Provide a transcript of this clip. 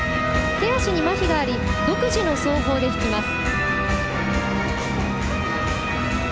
手足に、まひがあり独自の奏法で弾きます。